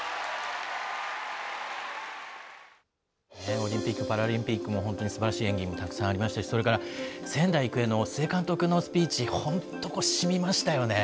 オリンピック・パラリンピックも本当にすばらしい演技もたくさんありましたし、それから仙台育英の須江監督のスピーチ、本当、しみましたよね。